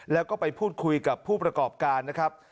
แล้วก็ไปพูดคุยกับผู้ประกอบการนะครับ